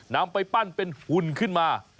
นำไปปั้นเป็นหุ่นขึ้นมา